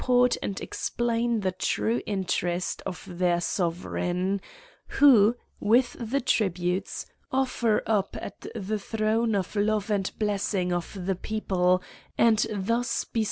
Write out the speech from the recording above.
57 port and explain the true interest of their sove reign; who, with the tributes, offer up at the throne the love and blessing of the people, and thus be.